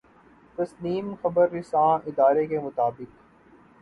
تسنیم خبررساں ادارے کے مطابق